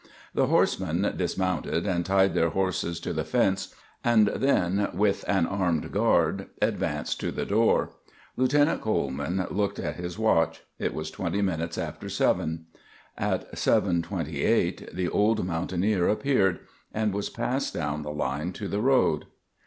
The horsemen dismounted and tied their horses to the fence, and then, with an armed guard, advanced to the door. Lieutenant Coleman looked at his watch. It was twenty minutes after seven. At seven twenty eight the old mountaineer appeared, and was passed down the line to the road.